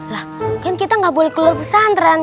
lah mungkin kita nggak boleh keluar pesantren